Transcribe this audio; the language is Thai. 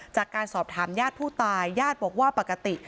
จากการสอบถามญาติผู้ตายญาติบอกว่าปกติ